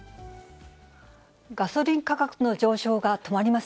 ガソリン価格の上昇が止まり